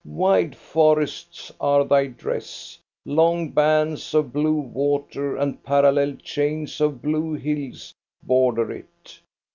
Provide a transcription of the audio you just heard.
Wide forests are thy dress. Long bands of blue water and parallel chains of blue hills border it.